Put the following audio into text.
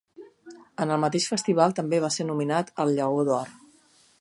En el mateix festival també va ser nominat al Lleó d'Or.